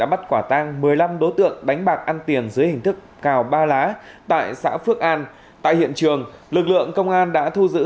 bắt quả tang một mươi năm đối tượng đánh bạc ăn tiền dưới hình thức cào ba lá tại xã phước an tại hiện trường lực lượng công an đã thu giữ